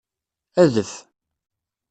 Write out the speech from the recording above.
Adef.